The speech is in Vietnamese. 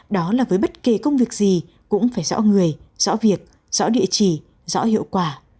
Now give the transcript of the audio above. đó là với bất kỳ công việc gì cũng phải rõ người rõ việc rõ địa chỉ rõ hiệu quả